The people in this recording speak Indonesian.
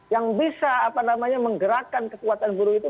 yang bisa menggerakkan kekuatan buruh itu